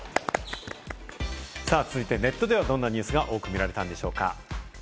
続いて、ネットではどんなニュースが多く見られたのでしょうか？